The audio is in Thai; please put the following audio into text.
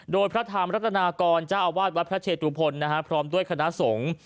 โดยพระธรรมรัตนากรเจ้าอาวาสวัดพระเชตุพลพร้อมด้วยคณะสงฆ์